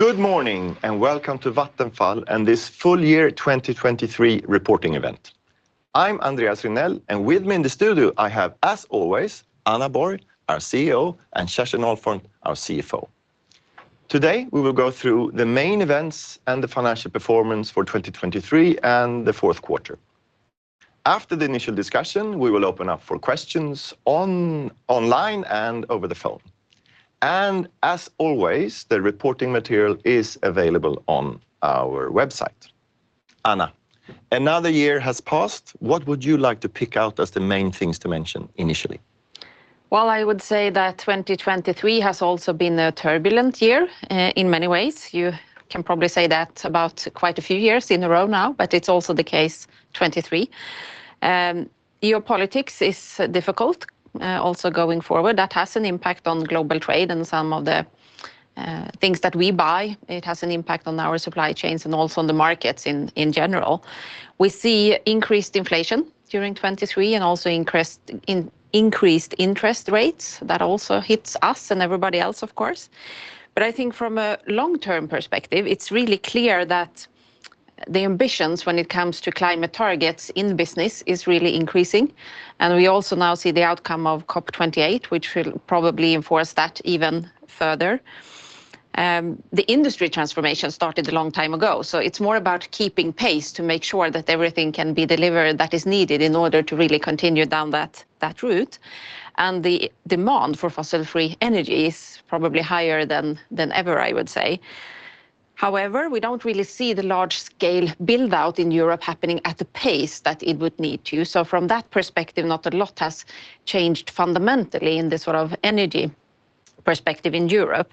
Good morning, and welcome to Vattenfall and this full year 2023 reporting event. I'm Andreas Regnell, and with me in the studio, I have, as always, Anna Borg, our CEO, and Kerstin Ahlfont, our CFO. Today, we will go through the main events and the financial performance for 2023 and the fourth quarter. After the initial discussion, we will open up for questions online and over the phone. And as always, the reporting material is available on our website. Anna, another year has passed. What would you like to pick out as the main things to mention initially? Well, I would say that 2023 has also been a turbulent year in many ways. You can probably say that about quite a few years in a row now, but it's also the case, 2023. Geopolitics is difficult, also going forward. That has an impact on global trade and some of the things that we buy. It has an impact on our supply chains and also on the markets in general. We see increased inflation during 2023, and also increased interest rates. That also hits us and everybody else, of course. But I think from a long-term perspective, it's really clear that the ambitions when it comes to climate targets in the business is really increasing, and we also now see the outcome of COP28, which will probably enforce that even further. The industry transformation started a long time ago, so it's more about keeping pace to make sure that everything can be delivered that is needed in order to really continue down that, that route, and the demand for fossil-free energy is probably higher than, than ever, I would say. However, we don't really see the large-scale build-out in Europe happening at the pace that it would need to. So from that perspective, not a lot has changed fundamentally in the sort of energy perspective in Europe.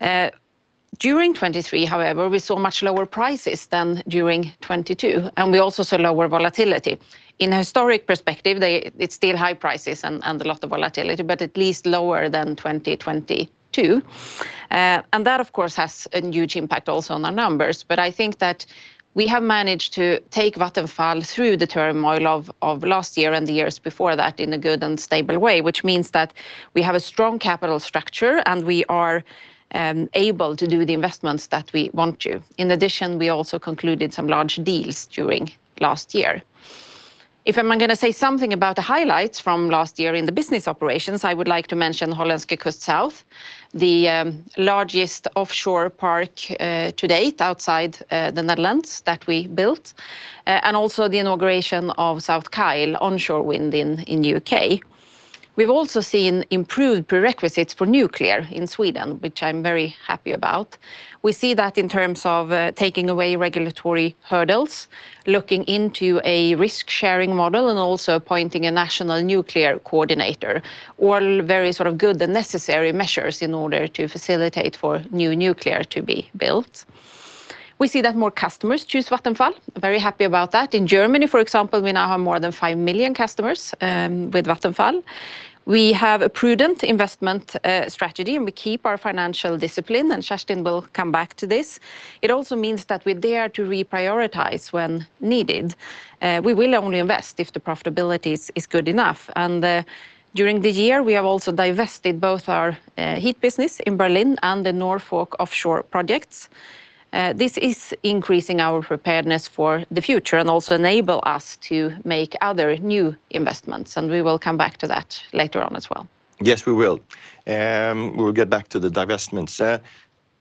During 2023, however, we saw much lower prices than during 2022, and we also saw lower volatility. In a historic perspective, it's still high prices and, and a lot of volatility, but at least lower than 2022. And that, of course, has a huge impact also on our numbers, but I think that we have managed to take Vattenfall through the turmoil of last year and the years before that in a good and stable way, which means that we have a strong capital structure, and we are able to do the investments that we want to. In addition, we also concluded some large deals during last year. If am I gonna say something about the highlights from last year in the business operations, I would like to mention Hollandse Kust Zuid, the largest offshore park to date outside the Netherlands that we built, and also the inauguration of South Kyle onshore wind in U.K. We've also seen improved prerequisites for nuclear in Sweden, which I'm very happy about. We see that in terms of, taking away regulatory hurdles, looking into a risk-sharing model, and also appointing a national nuclear coordinator, all very sort of good and necessary measures in order to facilitate for new nuclear to be built. We see that more customers choose Vattenfall. Very happy about that. In Germany, for example, we now have more than 5 million customers, with Vattenfall. We have a prudent investment, strategy, and we keep our financial discipline, and Kerstin will come back to this. It also means that we're there to reprioritize when needed, we will only invest if the profitability is good enough. During the year, we have also divested both our, heat business in Berlin and the Norfolk offshore projects. This is increasing our preparedness for the future and also enable us to make other new investments, and we will come back to that later on as well. Yes, we will. We'll get back to the divestments.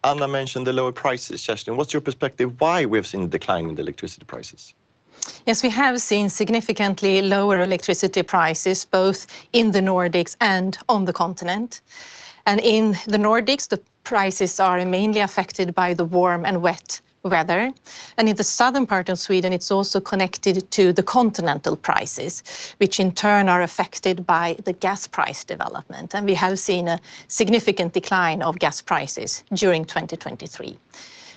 Anna mentioned the lower prices. Kerstin, what's your perspective, why we've seen a decline in the electricity prices? Yes, we have seen significantly lower electricity prices, both in the Nordics and on the continent. And in the Nordics, the prices are mainly affected by the warm and wet weather, and in the southern part of Sweden, it's also connected to the continental prices, which in turn are affected by the gas price development, and we have seen a significant decline of gas prices during 2023.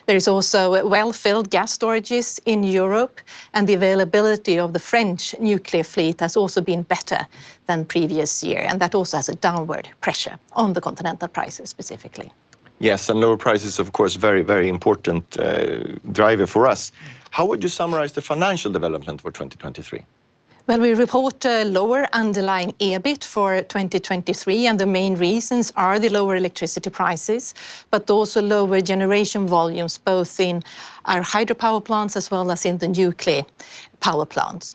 There is also a well-filled gas storages in Europe, and the availability of the French nuclear fleet has also been better than previous year, and that also has a downward pressure on the continental prices specifically. Yes, and lower prices, of course, very, very important, driver for us. How would you summarize the financial development for 2023? Well, we report a lower underlying EBIT for 2023, and the main reasons are the lower electricity prices, but also lower generation volumes, both in our hydropower plants as well as in the nuclear power plants.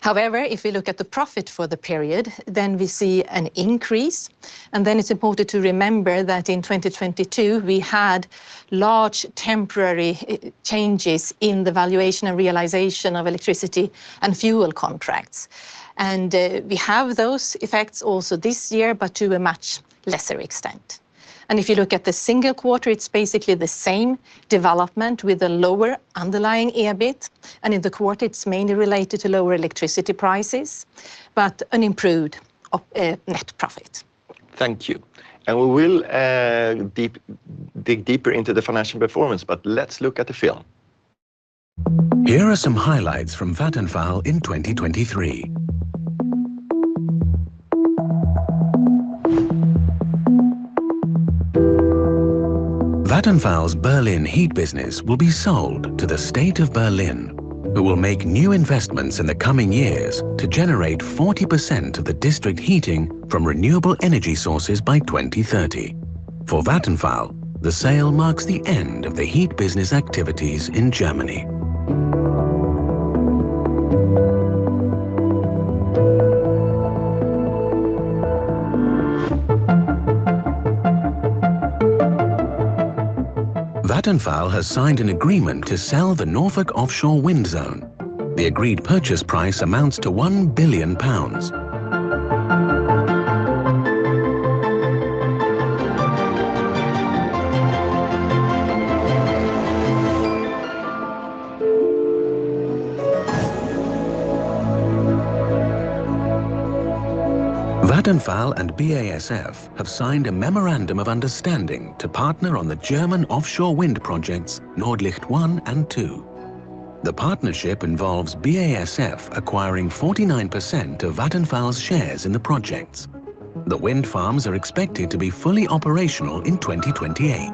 However, if we look at the profit for the period, then we see an increase, and then it's important to remember that in 2022, we had large temporary changes in the valuation and realization of electricity and fuel contracts. And, we have those effects also this year, but to a much lesser extent. And if you look at the single quarter, it's basically the same development with a lower underlying EBIT, and in the quarter, it's mainly related to lower electricity prices, but an improved net profit. Thank you. We will dig deeper into the financial performance, but let's look at the film. Here are some highlights from Vattenfall in 2023. Vattenfall's Berlin heat business will be sold to the State of Berlin, who will make new investments in the coming years to generate 40% of the district heating from renewable energy sources by 2030. For Vattenfall, the sale marks the end of the heat business activities in Germany. Vattenfall has signed an agreement to sell the Norfolk Offshore Wind Zone. The agreed purchase price amounts to 1 billion pounds. Vattenfall and BASF have signed a memorandum of understanding to partner on the German offshore wind projects, Nordlicht I and II. The partnership involves BASF acquiring 49% of Vattenfall's shares in the projects. The wind farms are expected to be fully operational in 2028.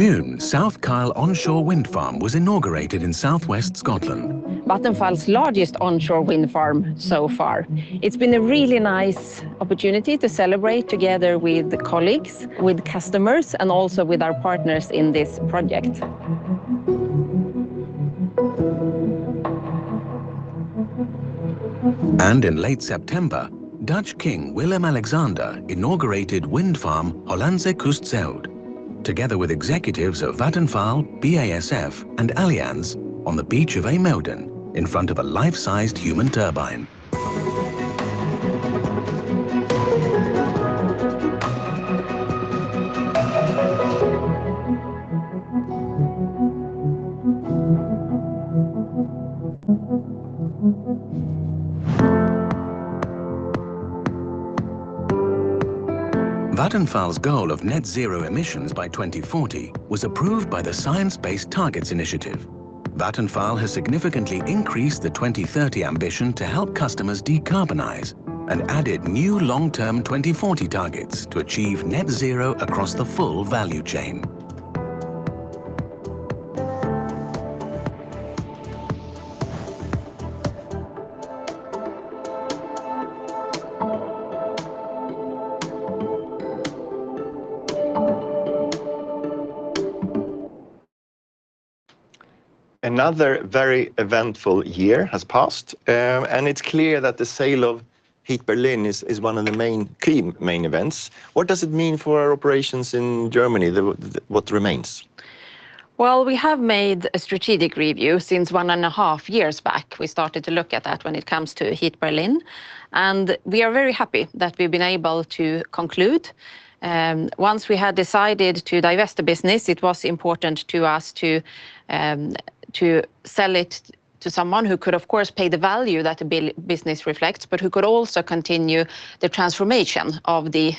In June, South Kyle onshore wind farm was inaugurated in southwest Scotland. Vattenfall's largest onshore wind farm so far. It's been a really nice opportunity to celebrate together with the colleagues, with customers, and also with our partners in this project. In late September, Dutch King Willem-Alexander inaugurated wind farm, Hollandse Kust Zuid, together with executives of Vattenfall, BASF, and Allianz on the beach of IJmuiden in front of a life-sized human turbine. Vattenfall's goal of net zero emissions by 2040 was approved by the Science Based Targets initiative. Vattenfall has significantly increased the 2030 ambition to help customers decarbonize and added new long-term 2040 targets to achieve net zero across the full value chain. Another very eventful year has passed, and it's clear that the sale of Heat Berlin is one of the main key main events. What does it mean for our operations in Germany, what remains? Well, we have made a strategic review since one and a half years back. We started to look at that when it comes to Heat Berlin, and we are very happy that we've been able to conclude. Once we had decided to divest the business, it was important to us to sell it to someone who could, of course, pay the value that the business reflects, but who could also continue the transformation of the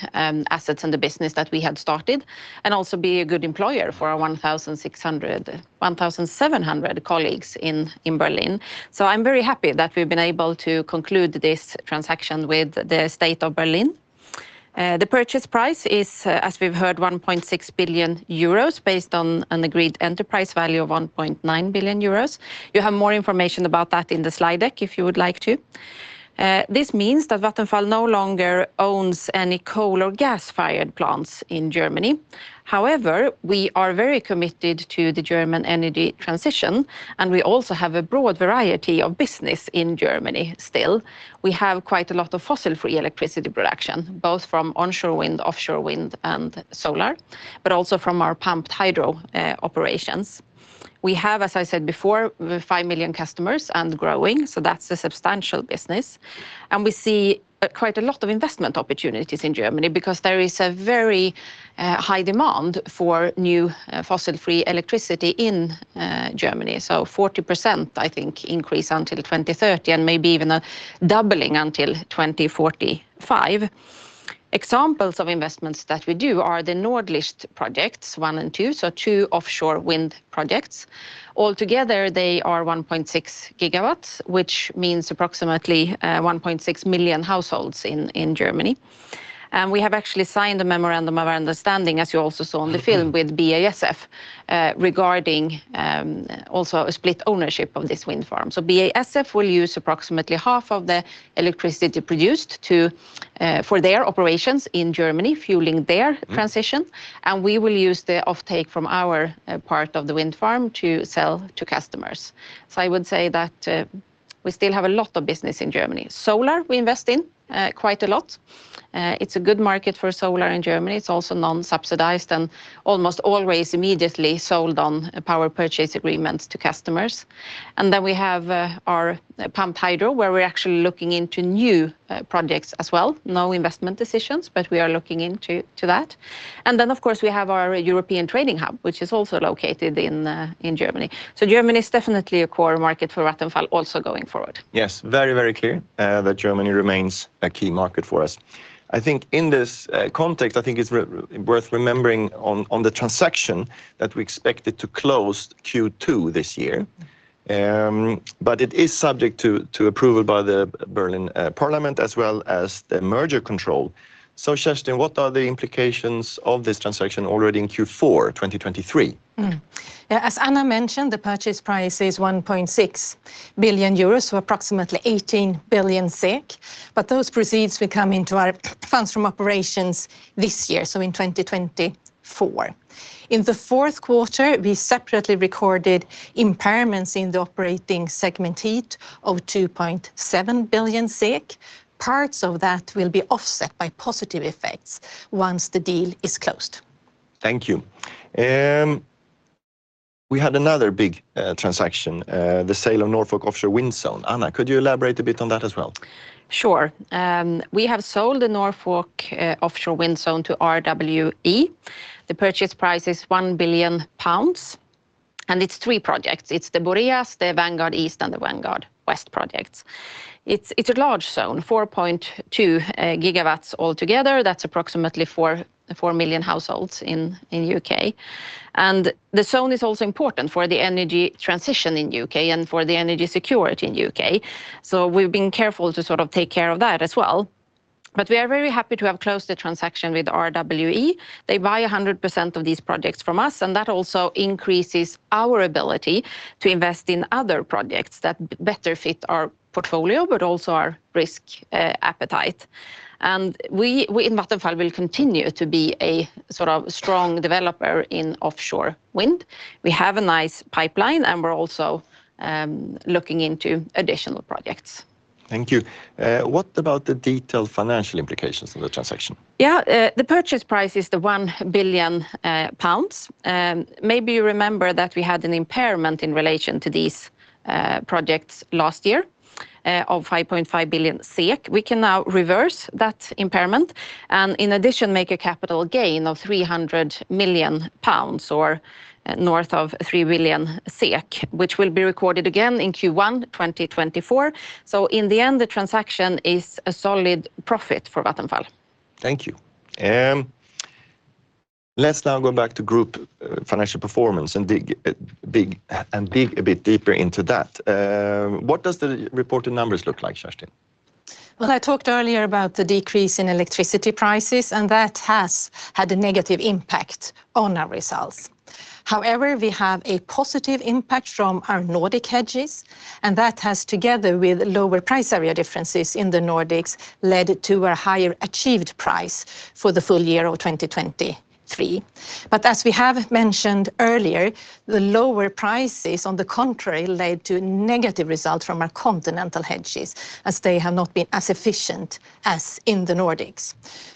assets and the business that we had started, and also be a good employer for our 1,700 colleagues in Berlin. So I'm very happy that we've been able to conclude this transaction with the State of Berlin. The purchase price is, as we've heard, 1.6 billion euros, based on an agreed enterprise value of 1.9 billion euros. You have more information about that in the slide deck, if you would like to. This means that Vattenfall no longer owns any coal or gas-fired plants in Germany. However, we are very committed to the German energy transition, and we also have a broad variety of business in Germany still. We have quite a lot of fossil-free electricity production, both from onshore wind, offshore wind, and solar, but also from our pumped hydro operations. We have, as I said before, five million customers and growing, so that's a substantial business. And we see quite a lot of investment opportunities in Germany because there is a very high demand for new fossil-free electricity in Germany. So 40%, I think, increase until 2030, and maybe even a doubling until 2045. Examples of investments that we do are the Nordlicht I and II, so two offshore wind projects. Altogether, they are 1.6 GW, which means approximately 1.6 million households in Germany. And we have actually signed a memorandum of understanding, as you also saw on the film, with BASF, regarding also a split ownership of this wind farm. So BASF will use approximately half of the electricity produced to for their operations in Germany, fueling their transition, and we will use the offtake from our part of the wind farm to sell to customers. So I would say that we still have a lot of business in Germany. Solar, we invest in quite a lot. It's a good market for solar in Germany. It's also non-subsidized and almost always immediately sold on power purchase agreements to customers. And then we have our pumped hydro, where we're actually looking into new projects as well. No investment decisions, but we are looking into that. And then, of course, we have our European trading hub, which is also located in Germany. So Germany is definitely a core market for Vattenfall also going forward. Yes, very, very clear that Germany remains a key market for us. I think in this context, I think it's worth remembering on the transaction that we expected to close Q2 this year, but it is subject to approval by the Berlin Parliament as well as the merger control. So Kerstin, what are the implications of this transaction already in Q4 2023? Yeah, as Anna mentioned, the purchase price is 1.6 billion euros, so approximately 18 billion SEK, but those proceeds will come into our Funds From Operations this year, so in 2024. In the fourth quarter, we separately recorded impairments in the operating segment heat of 2.7 billion SEK. Parts of that will be offset by positive effects once the deal is closed. Thank you. We had another big transaction, the sale of Norfolk Offshore Wind Zone. Anna, could you elaborate a bit on that as well? Sure. We have sold the Norfolk Offshore Wind Zone to RWE. The purchase price is 1 billion pounds, and it's three projects. It's the Boreas, the Vanguard East, and the Vanguard West projects. It's a large zone, 4.2 GW altogether. That's approximately 4 million households in U.K. And the zone is also important for the energy transition in U.K. and for the energy security in U.K., so we've been careful to sort of take care of that as well. But we are very happy to have closed the transaction with RWE. They buy 100% of these projects from us, and that also increases our ability to invest in other projects that better fit our portfolio, but also our risk appetite. And we in Vattenfall will continue to be a sort of strong developer in offshore wind. We have a nice pipeline, and we're also looking into additional projects. Thank you. What about the detailed financial implications in the transaction? Yeah, the purchase price is 1 billion pounds. Maybe you remember that we had an impairment in relation to these projects last year of 1.5 billion SEK. We can now reverse that impairment, and in addition, make a capital gain of 300 million pounds, or north of 3 billion SEK, which will be recorded again in Q1 2024. In the end, the transaction is a solid profit for Vattenfall. Thank you. Let's now go back to group financial performance and dig and dig a bit deeper into that. What does the reported numbers look like, Kerstin? Well, I talked earlier about the decrease in electricity prices, and that has had a negative impact on our results. However, we have a positive impact from our Nordic hedges, and that has, together with lower price area differences in the Nordics, led to a higher achieved price for the full year of 2023. But as we have mentioned earlier, the lower prices, on the contrary, led to negative results from our continental hedges, as they have not been as efficient as in the Nordics.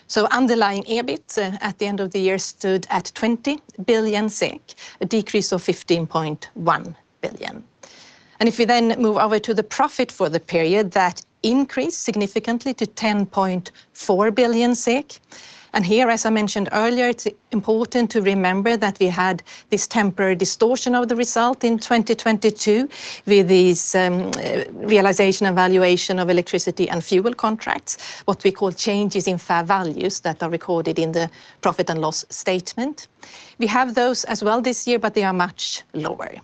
So underlying EBIT, at the end of the year, stood at 20 billion SEK, a decrease of 15.1 billion. And if you then move over to the profit for the period, that increased significantly to 10.4 billion SEK. And here, as I mentioned earlier, it's important to remember that we had this temporary distortion of the result in 2022, with this, realization and valuation of electricity and fuel contracts, what we call changes in fair values that are recorded in the profit and loss statement. We have those as well this year, but they are much lower.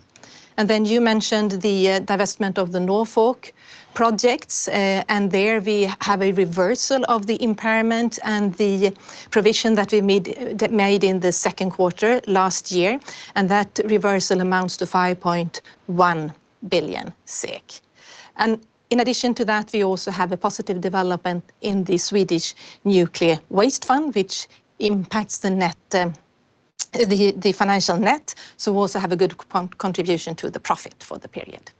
And then you mentioned the, divestment of the Norfolk projects, and there we have a reversal of the impairment and the provision that we made in the second quarter last year, and that reversal amounts to 5.1 billion. And in addition to that, we also have a positive development in the Swedish nuclear waste fund, which impacts the net, the financial net, so also have a good contribution to the profit for the period.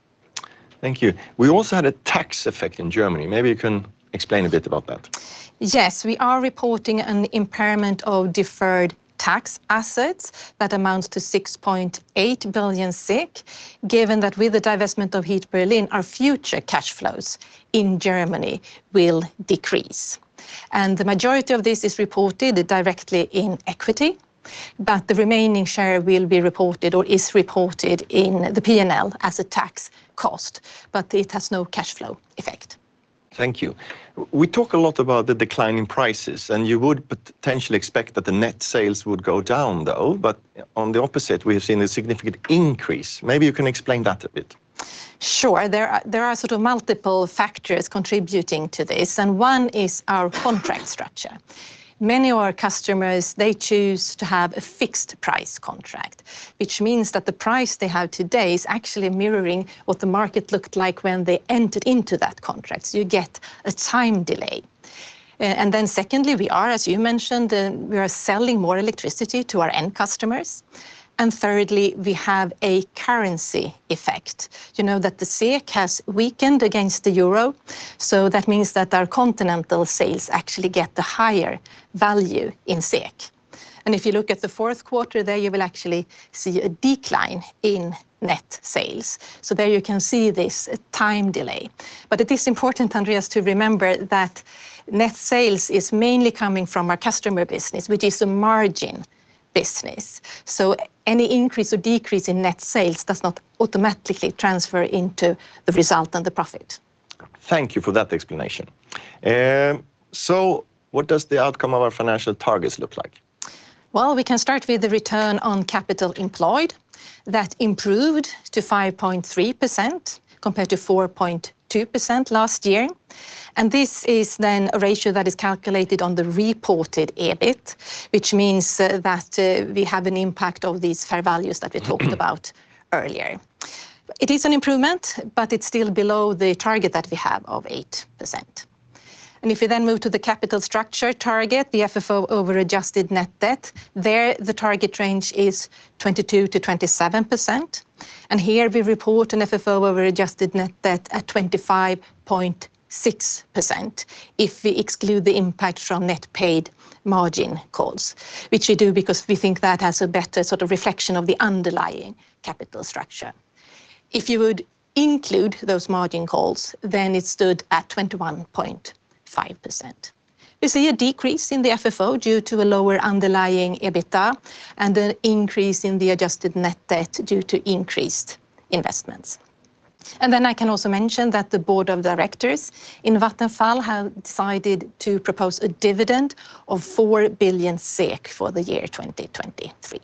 Thank you. We also had a tax effect in Germany. Maybe you can explain a bit about that. Yes, we are reporting an impairment of deferred tax assets that amounts to 6.8 billion, given that with the divestment of Heat Berlin, our future cash flows in Germany will decrease. The majority of this is reported directly in equity, but the remaining share will be reported or is reported in the P&L as a tax cost, but it has no cash flow effect. Thank you. We talk a lot about the decline in prices, and you would potentially expect that the net sales would go down, though, but on the opposite, we have seen a significant increase. Maybe you can explain that a bit? Sure. There are sort of multiple factors contributing to this, and one is our contract structure. Many of our customers, they choose to have a fixed price contract, which means that the price they have today is actually mirroring what the market looked like when they entered into that contract, so you get a time delay. And then secondly, we are, as you mentioned, we are selling more electricity to our end customers. And thirdly, we have a currency effect. You know that the SEK has weakened against the euro, so that means that our continental sales actually get the higher value in SEK. And if you look at the fourth quarter, there you will actually see a decline in net sales. So there you can see this time delay. It is important, Andreas, to remember that net sales is mainly coming from our customer business, which is a margin business, so any increase or decrease in net sales does not automatically transfer into the result and the profit. Thank you for that explanation. So what does the outcome of our financial targets look like? ...Well, we can start with the return on capital employed. That improved to 5.3%, compared to 4.2% last year, and this is then a ratio that is calculated on the reported EBIT, which means that we have an impact of these fair values that we talked- Mm-hmm... about earlier. It is an improvement, but it's still below the target that we have of 8%. And if we then move to the capital structure target, the FFO over adjusted net debt, there the target range is 22%-27%, and here we report an FFO over adjusted net debt at 25.6%, if we exclude the impact from net paid margin calls, which we do because we think that has a better sort of reflection of the underlying capital structure. If you would include those margin calls, then it stood at 21.5%. We see a decrease in the FFO due to a lower Underlying EBITDA and an increase in the adjusted net debt due to increased investments. I can also mention that the board of directors in Vattenfall have decided to propose a dividend of 4 billion SEK for the year 2023.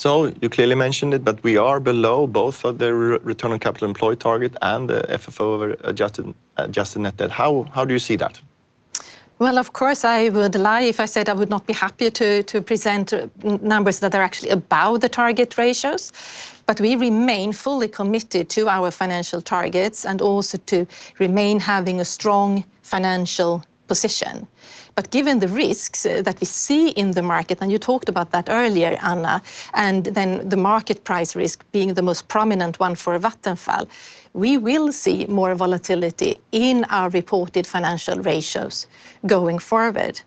So you clearly mentioned it, but we are below both the Return on Capital Employed target and the FFO over adjusted, adjusted net debt. How, how do you see that? Well, of course, I would lie if I said I would not be happy to present numbers that are actually above the target ratios, but we remain fully committed to our financial targets and also to remain having a strong financial position. But given the risks that we see in the market, and you talked about that earlier, Anna, and then the market price risk being the most prominent one for Vattenfall, we will see more volatility in our reported financial ratios going forward.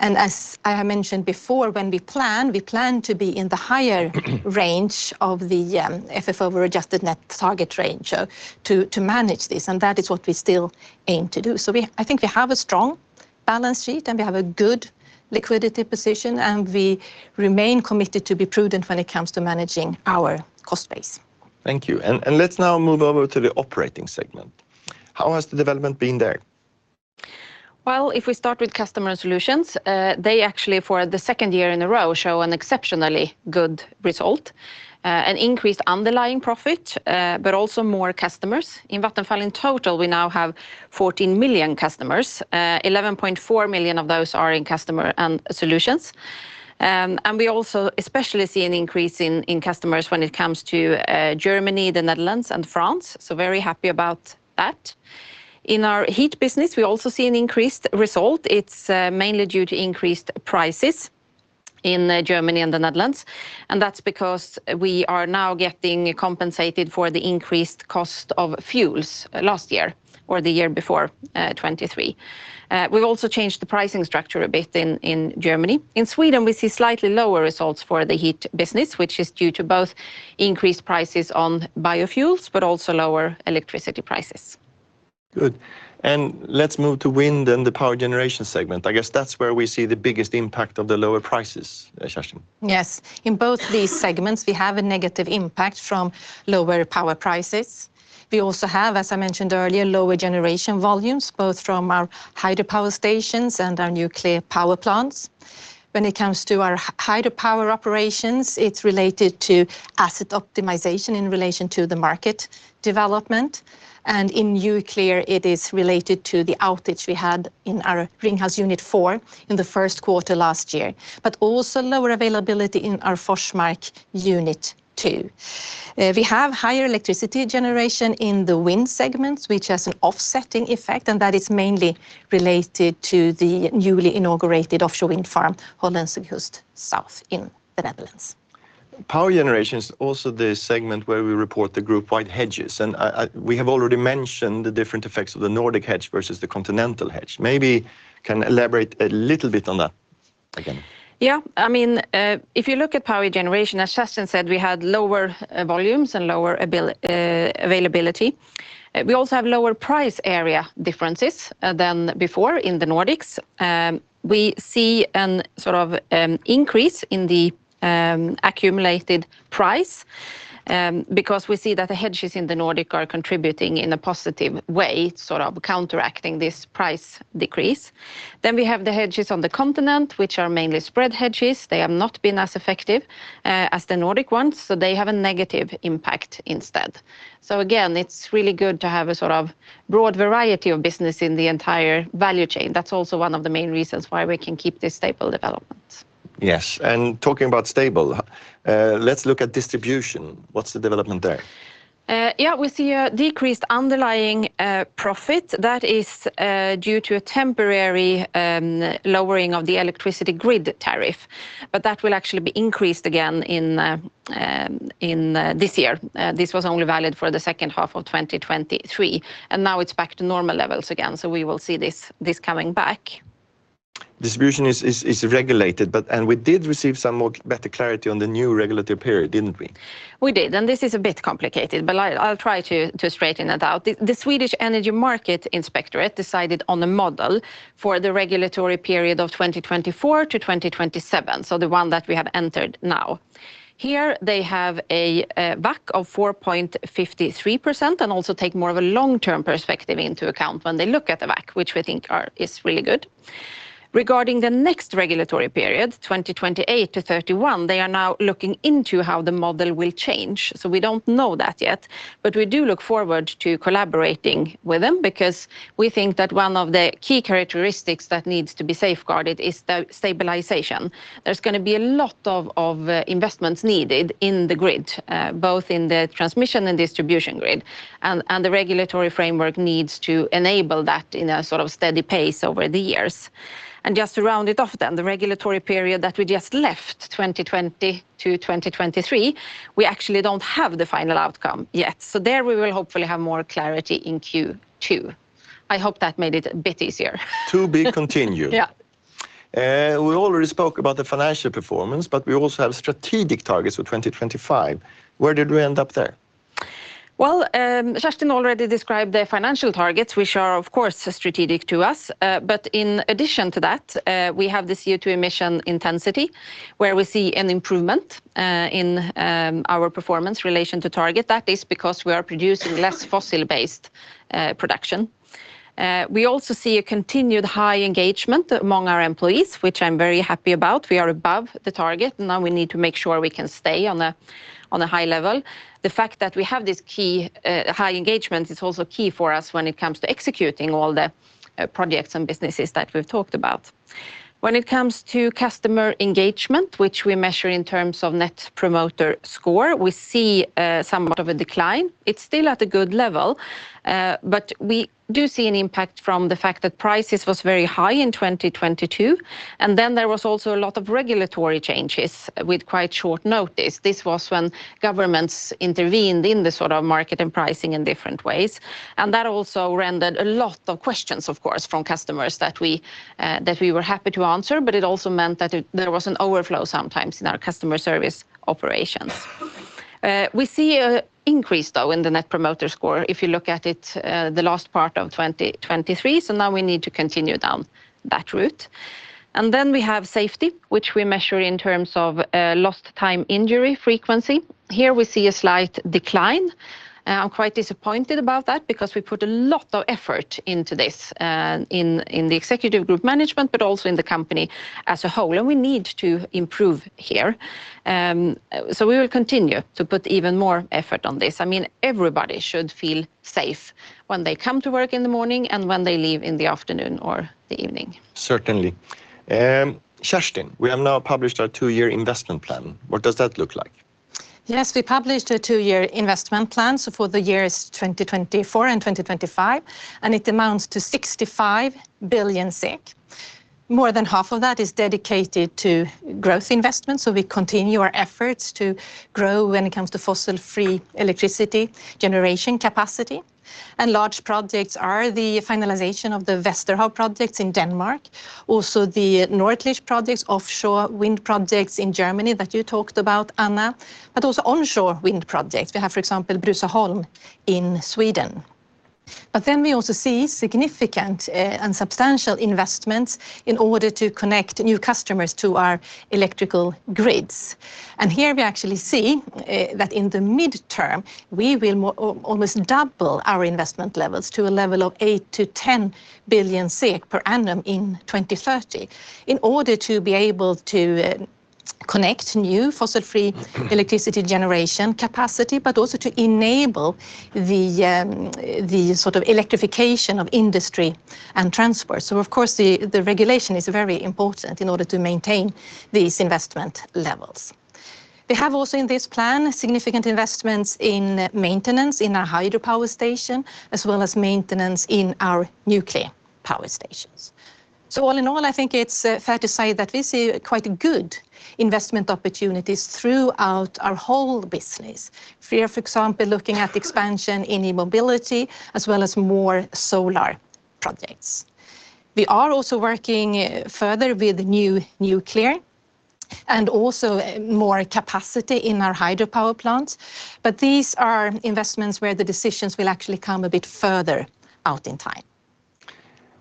And as I have mentioned before, when we plan, we plan to be in the higher range of the FFO over adjusted net target range, so to manage this, and that is what we still aim to do. I think we have a strong balance sheet, and we have a good liquidity position, and we remain committed to be prudent when it comes to managing our cost base. Thank you. And let's now move over to the operating segment. How has the development been there? Well, if we start with customer solutions, they actually, for the second year in a row, show an exceptionally good result, an increased underlying profit, but also more customers. In Vattenfall in total, we now have 14 million customers. Eleven point four million of those are in customer solutions. And we also especially see an increase in customers when it comes to Germany, the Netherlands, and France, so very happy about that. In our heat business, we also see an increased result. It's mainly due to increased prices in Germany and the Netherlands, and that's because we are now getting compensated for the increased cost of fuels last year or the year before, 2023. We've also changed the pricing structure a bit in Germany. In Sweden, we see slightly lower results for the heat business, which is due to both increased prices on biofuels, but also lower electricity prices. Good, and let's move to wind and the power generation segment. I guess that's where we see the biggest impact of the lower prices, Kerstin. Yes. In both these segments, we have a negative impact from lower power prices. We also have, as I mentioned earlier, lower generation volumes, both from our hydropower stations and our nuclear power plants. When it comes to our hydropower operations, it's related to asset optimization in relation to the market development, and in nuclear it is related to the outage we had in our Ringhals Unit 4 in the first quarter last year, but also lower availability in our Forsmark Unit 2. We have higher electricity generation in the wind segments, which has an offsetting effect, and that is mainly related to the newly inaugurated offshore wind farm, Hollandse Kust Zuid, in the Netherlands. Power generation is also the segment where we report the group-wide hedges, and we have already mentioned the different effects of the Nordic hedge versus the Continental hedge. Maybe can elaborate a little bit on that again. Yeah. I mean, if you look at power generation, as Kerstin said, we had lower volumes and lower availability. We also have lower price area differences than before in the Nordics. We see a sort of increase in the accumulated price because we see that the hedges in the Nordic are contributing in a positive way, sort of counteracting this price decrease. Then we have the hedges on the Continent, which are mainly spread hedges. They have not been as effective as the Nordic ones, so they have a negative impact instead. So again, it's really good to have a sort of broad variety of business in the entire value chain. That's also one of the main reasons why we can keep this stable development. Yes, and talking about stable, let's look at distribution. What's the development there? Yeah, we see a decreased underlying profit. That is due to a temporary lowering of the electricity grid tariff, but that will actually be increased again in this year. This was only valid for the second half of 2023, and now it's back to normal levels again, so we will see this coming back. Distribution is regulated, but... And we did receive some more better clarity on the new regulatory period, didn't we? We did, and this is a bit complicated, but I'll try to straighten it out. The Swedish Energy Markets Inspectorate decided on a model for the regulatory period of 2024 to 2027, so the one that we have entered now. ...Here, they have a WACC of 4.53%, and also take more of a long-term perspective into account when they look at the WACC, which we think is really good. Regarding the next regulatory period, 2028-2031, they are now looking into how the model will change, so we don't know that yet, but we do look forward to collaborating with them, because we think that one of the key characteristics that needs to be safeguarded is the stabilization. There's gonna be a lot of investments needed in the grid, both in the transmission and distribution grid, and the regulatory framework needs to enable that in a sort of steady pace over the years. Just to round it off then, the regulatory period that we just left, 2020 to 2023, we actually don't have the final outcome yet, so there we will hopefully have more clarity in Q2. I hope that made it a bit easier. To be continued. Yeah. We already spoke about the financial performance, but we also have strategic targets for 2025. Where did we end up there? Well, Kerstin already described the financial targets, which are, of course, strategic to us, but in addition to that, we have this CO2 emission intensity, where we see an improvement in our performance in relation to target. That is because we are producing less- Mm. -fossil-based production. We also see a continued high engagement among our employees, which I'm very happy about. We are above the target, and now we need to make sure we can stay on a high level. The fact that we have this key high engagement is also key for us when it comes to executing all the projects and businesses that we've talked about. When it comes to customer engagement, which we measure in terms of Net Promoter Score, we see somewhat of a decline. It's still at a good level, but we do see an impact from the fact that prices was very high in 2022, and then there was also a lot of regulatory changes with quite short notice. This was when governments intervened in the sort of market and pricing in different ways, and that also rendered a lot of questions, of course, from customers that we, that we were happy to answer, but it also meant that there was an overflow sometimes in our customer service operations. We see an increase, though, in the Net Promoter Score, if you look at it, the last part of 2023, so now we need to continue down that route. And then we have safety, which we measure in terms of lost time injury frequency. Here we see a slight decline, and I'm quite disappointed about that, because we put a lot of effort into this, and in the executive group management, but also in the company as a whole, and we need to improve here. So we will continue to put even more effort on this. I mean, everybody should feel safe when they come to work in the morning and when they leave in the afternoon or the evening. Certainly. Kerstin, we have now published our two-year investment plan. What does that look like? Yes, we published a two-year investment plan, so for the years 2024 and 2025, and it amounts to 65 billion SEK. More than half of that is dedicated to growth investment, so we continue our efforts to grow when it comes to fossil-free electricity generation capacity, and large projects are the finalization of the Vesterhav projects in Denmark, also the Nordlicht projects, offshore wind projects in Germany that you talked about, Anna, but also onshore wind projects. We have, for example, Bruzaholm in Sweden. But then we also see significant and substantial investments in order to connect new customers to our electrical grids, and here we actually see that in the midterm, we will almost double our investment levels to a level of 8-10 billion SEK per annum in 2030, in order to be able to connect new fossil-free electricity-generation capacity, but also to enable the sort of electrification of industry and transport. So of course, the regulation is very important in order to maintain these investment levels. We have also in this plan significant investments in maintenance in our hydropower station, as well as maintenance in our nuclear power stations. So all in all, I think it's fair to say that we see quite a good investment opportunities throughout our whole business. We are, for example, looking at expansion in e-mobility, as well as more solar projects. We are also working further with new nuclear, and also more capacity in our hydropower plants, but these are investments where the decisions will actually come a bit further out in time.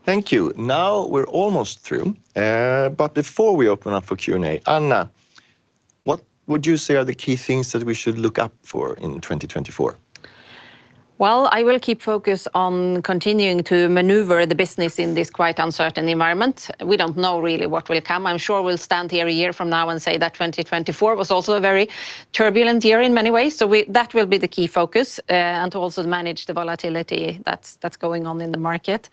Thank you. Now, we're almost through, but before we open up for Q&A, Anna, what would you say are the key things that we should look out for in 2024? Well, I will keep focus on continuing to maneuver the business in this quite uncertain environment. We don't know really what will come. I'm sure we'll stand here a year from now and say that 2024 was also a very turbulent year in many ways, so that will be the key focus, and to also manage the volatility that's going on in the market.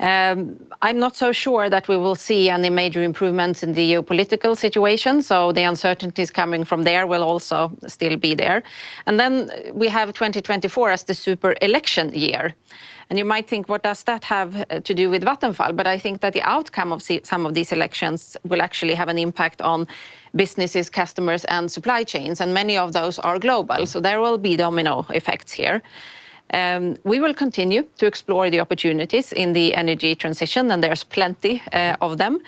I'm not so sure that we will see any major improvements in the geopolitical situation, so the uncertainties coming from there will also still be there, and then we have 2024 as the super election year, and you might think, "What does that have to do with Vattenfall?" But I think that the outcome of some of these elections will actually have an impact on businesses, customers, and supply chains, and many of those are global. Mm. So there will be domino effects here. We will continue to explore the opportunities in the energy transition, and there's plenty of them.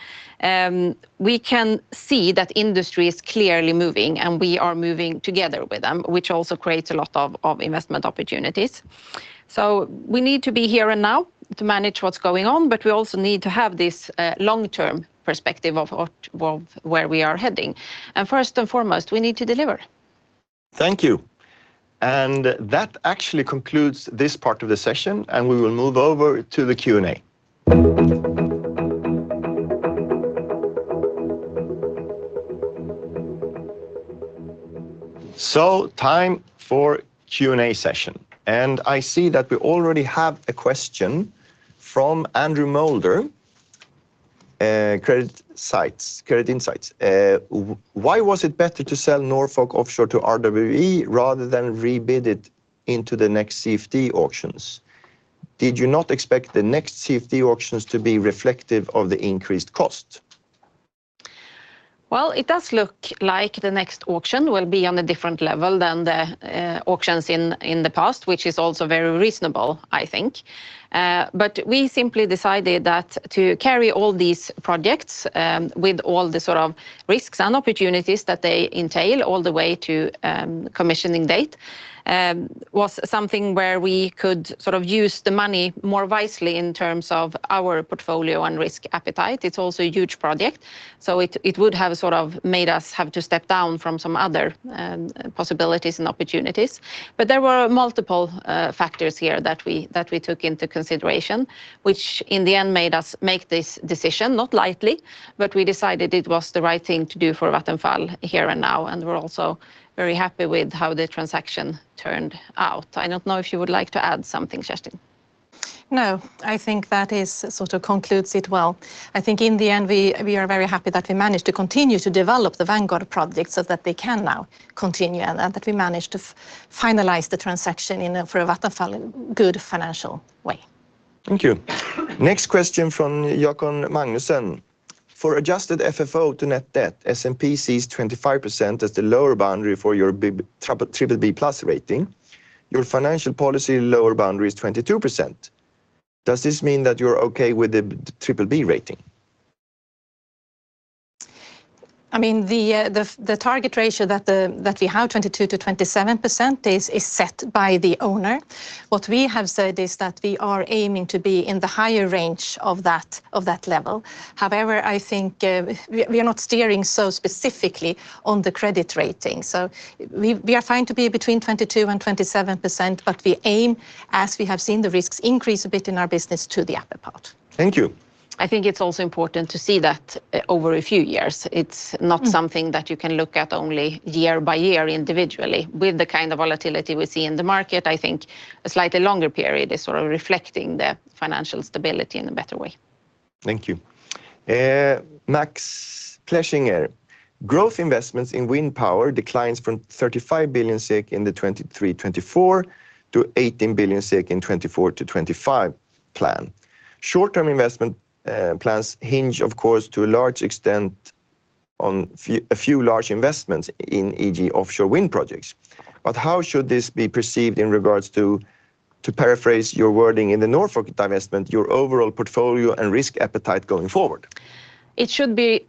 We can see that industry is clearly moving, and we are moving together with them, which also creates a lot of investment opportunities. So we need to be here and now to manage what's going on, but we also need to have this long-term perspective of what... well, where we are heading, and first and foremost, we need to deliver. ...Thank you. And that actually concludes this part of the session, and we will move over to the Q&A. So time for Q&A session, and I see that we already have a question from Andrew Moulder, CreditSights: "Why was it better to sell Norfolk Offshore to RWE, rather than rebid it into the next CFD auctions? Did you not expect the next CFD auctions to be reflective of the increased cost? Well, it does look like the next auction will be on a different level than the auctions in the past, which is also very reasonable, I think. But we simply decided that to carry all these projects with all the sort of risks and opportunities that they entail, all the way to commissioning date, was something where we could sort of use the money more wisely in terms of our portfolio and risk appetite. It's also a huge project, so it would have sort of made us have to step down from some other possibilities and opportunities. But there were multiple factors here that we took into consideration, which in the end made us make this decision, not lightly, but we decided it was the right thing to do for Vattenfall here and now, and we're also very happy with how the transaction turned out. I don't know if you would like to add something, Kerstin? No, I think that is, sort of, concludes it well. I think in the end, we are very happy that we managed to continue to develop the Vanguard project so that they can now continue, and that we managed to finalize the transaction in a, for Vattenfall, in good financial way. Thank you. Next question from Jakob Magnussen: "For adjusted FFO to net debt, S&P sees 25% as the lower boundary for your BBB+ rating. Your financial policy lower boundary is 22%. Does this mean that you're okay with the BBB rating? I mean, the target ratio that we have, 22%-27%, is set by the owner. What we have said is that we are aiming to be in the higher range of that level. However, I think we are not steering so specifically on the credit rating, so we are fine to be between 22%-27%, but we aim, as we have seen the risks increase a bit in our business, to the upper part. Thank you. I think it's also important to see that over a few years. It's- Mm... not something that you can look at only year by year, individually. With the kind of volatility we see in the market, I think a slightly longer period is sort of reflecting the financial stability in a better way. Thank you. Max Blesch: "Growth investments in wind power declines from 35 billion SEK in the 2023-2024 to 18 billion SEK in the 2024-2025 plan. Short-term investment plans hinge, of course, to a large extent on a few large investments in, e.g., offshore wind projects. But how should this be perceived in regards to, to paraphrase your wording in the Norfolk divestment, your overall portfolio and risk appetite going forward? It should be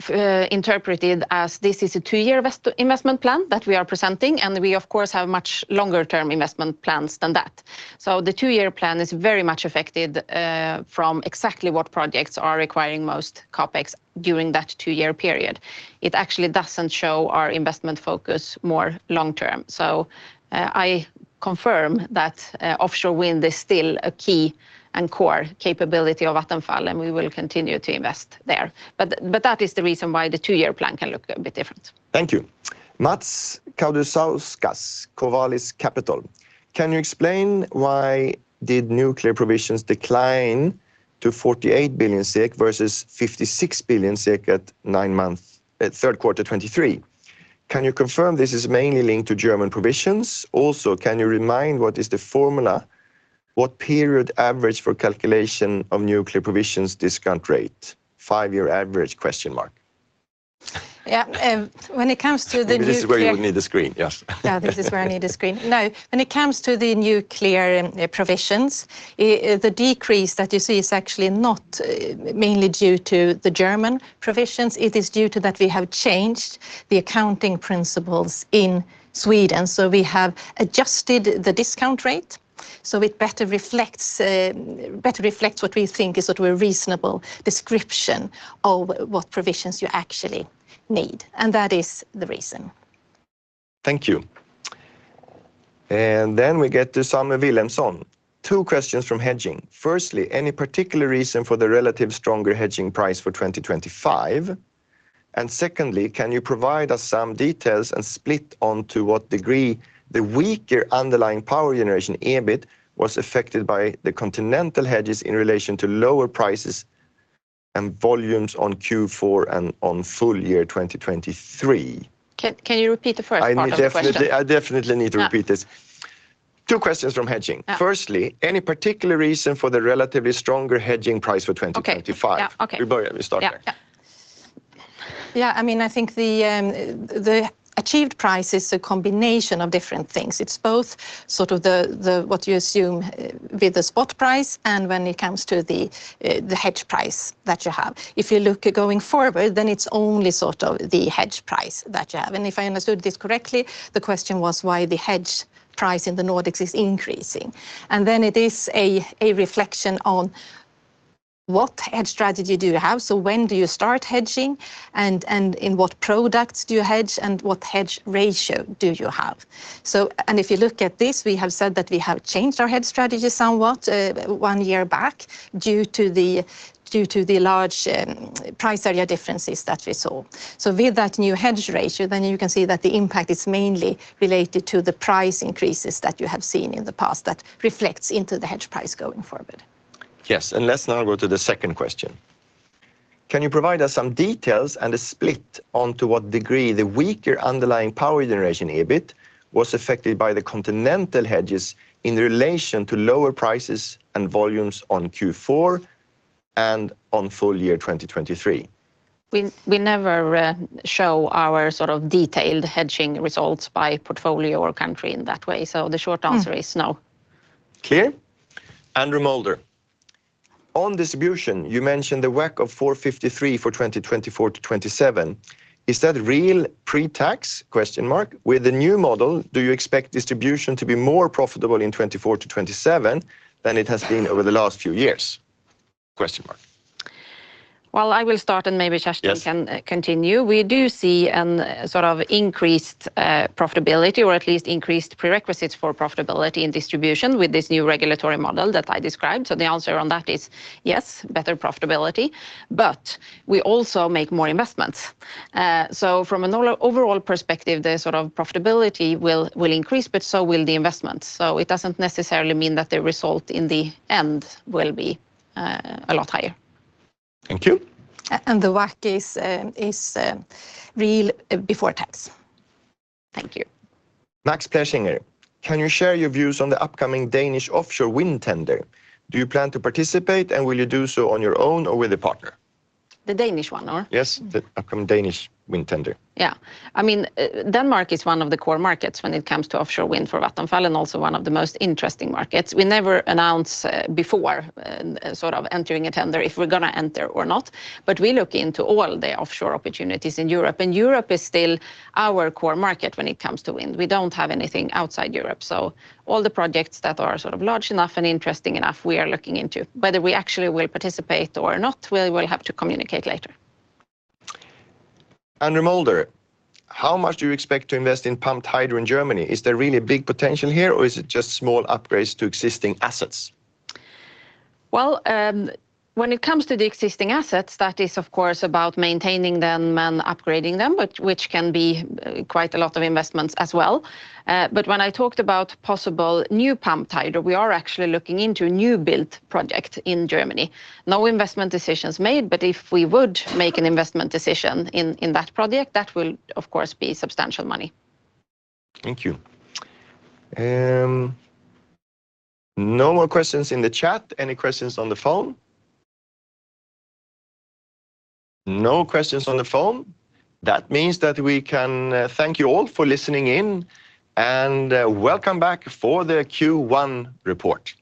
interpreted as this is a two-year investment plan that we are presenting, and we, of course, have much longer-term investment plans than that. So the two-year plan is very much affected from exactly what projects are requiring most CapEx during that two-year period. It actually doesn't show our investment focus more long term. So, I confirm that, offshore wind is still a key and core capability of Vattenfall, and we will continue to invest there. But, that is the reason why the two-year plan can look a bit different. Thank you. Matas Kadusauskas, Covalis Capital: "Can you explain why did nuclear provisions decline to 48 billion SEK versus 56 billion SEK at nine months, at third quarter 2023? Can you confirm this is mainly linked to German provisions? Also, can you remind what is the formula, what period average for calculation of nuclear provisions discount rate? Five-year average? Yeah, when it comes to the nuclear- This is where you will need the screen. Yes. Yeah, this is where I need a screen. No, when it comes to the nuclear, the decrease that you see is actually not mainly due to the German provisions. It is due to that we have changed the accounting principles in Sweden, so we have adjusted the discount rate, so it better reflects what we think is sort of a reasonable description of what provisions you actually need, and that is the reason. Thank you. And then we get to Samuel Vilhelmsen. Two questions from hedging: firstly, any particular reason for the relative stronger hedging price for 2025? And secondly, can you provide us some details and split on to what degree the weaker underlying power generation EBIT was affected by the continental hedges in relation to lower prices and volumes on Q4 and on full year 2023? Can you repeat the first part of the question? I definitely, I definitely need to repeat this. Yeah. Two questions from hedging- Yeah... firstly, any particular reason for the relatively stronger hedging price for 2025? Okay. Yeah, okay. We'll borrow the start there. Yeah. Yeah. Yeah, I mean, I think the achieved price is a combination of different things. It's both sort of the, the, what you assume with the spot price and when it comes to the hedge price that you have. If you look at going forward, then it's only sort of the hedge price that you have. And if I understood this correctly, the question was why the hedge price in the Nordics is increasing, and then it is a reflection on- ...What hedge strategy do you have? So when do you start hedging, and, and in what products do you hedge, and what hedge ratio do you have? So, and if you look at this, we have said that we have changed our hedge strategy somewhat, one year back, due to the, due to the large, price area differences that we saw. So with that new hedge ratio, then you can see that the impact is mainly related to the price increases that you have seen in the past that reflects into the hedge price going forward. Yes, let's now go to the second question. Can you provide us some details and a split on to what degree the weaker underlying power generation EBIT was affected by the continental hedges in relation to lower prices and volumes on Q4 and on full year 2023? We never show our sort of detailed hedging results by portfolio or country in that way. So the short answer is no. Clear. Andrew Moulder: On distribution, you mentioned the WACC of 4.53 for 2024-2027. Is that real pre-tax? With the new model, do you expect distribution to be more profitable in 2024-2027 than it has been over the last few years? Well, I will start, and maybe Kerstin- Yes... can continue. We do see a sort of increased profitability, or at least increased prerequisites for profitability in distribution with this new regulatory model that I described. So the answer on that is, yes, better profitability, but we also make more investments. So from an overall perspective, the sort of profitability will increase, but so will the investments. So it doesn't necessarily mean that the result in the end will be a lot higher. Thank you. And the WACC is real before tax. Thank you. Max Plescher: Can you share your views on the upcoming Danish offshore wind tender? Do you plan to participate, and will you do so on your own or with a partner? The Danish one, or? Yes, the upcoming Danish wind tender. Yeah. I mean, Denmark is one of the core markets when it comes to offshore wind for Vattenfall and also one of the most interesting markets. We never announce before and sort of entering a tender if we're gonna enter or not, but we look into all the offshore opportunities in Europe, and Europe is still our core market when it comes to wind. We don't have anything outside Europe, so all the projects that are sort of large enough and interesting enough, we are looking into. Whether we actually will participate or not, we will have to communicate later. Andrew Moulder: How much do you expect to invest in pumped hydro in Germany? Is there really big potential here, or is it just small upgrades to existing assets? Well, when it comes to the existing assets, that is, of course, about maintaining them and upgrading them, but which can be quite a lot of investments as well. But when I talked about possible new pumped hydro, we are actually looking into a new-built project in Germany. No investment decisions made, but if we would make an investment decision in that project, that will, of course, be substantial money. Thank you. No more questions in the chat. Any questions on the phone? No questions on the phone. That means that we can thank you all for listening in, and welcome back for the Q1 report.